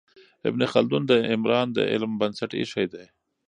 ابن خلدون د عمران د علم بنسټ ایښی دی.